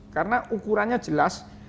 karena ukurannya jelas